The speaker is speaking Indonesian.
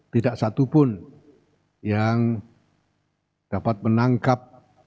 tidak satu pun yang dapat menangkap